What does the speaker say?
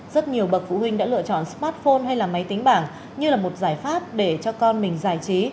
rất nhiều bậc phụ huynh đã lựa chọn smartphone hay là máy tính bảng như là một giải pháp để cho con mình giải trí